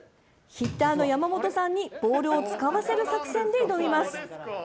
ヒッターの山本さんにボールを使わせる作戦で挑みます。